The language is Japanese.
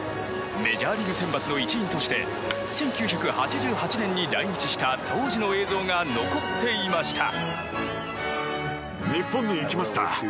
メジャーリーグ先発の一員として１９８８年に来日した当時の映像が残っていました。